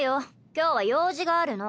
今日は用事があるの。